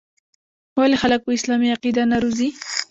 ولـې خـلـک پـه اسـلامـي عـقـيده نـه روزي.